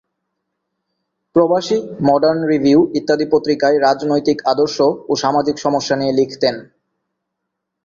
প্রবাসী, Modern Review ইত্যাদি পত্রিকায় রাজনৈতিক আদর্শ ও সামাজিক সমস্যা নিয়ে লিখতেন।